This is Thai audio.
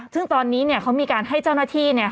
ซึ่งตอนนี้เขามีการให้เจ้าหน้าที่